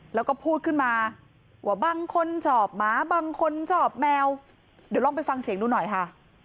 แล้วก็พูดขึ้นมาว่าบางคนชอบหมาบางคนชอบแมวเดี๋ยวลองไปฟังเสียงดูหน่อยค่ะ